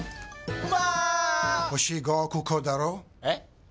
うわ！